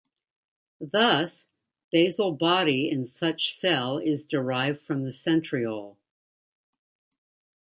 Thus, basal body in such cell is derived from the centriole.